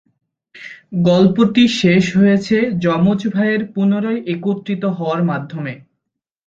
গল্পটি শেষ হয়েছে যমজ ভাইয়ের পুনরায় একত্রিত হওয়ার মাধ্যমে।